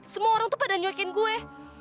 semua orang tuh pada nyokin gue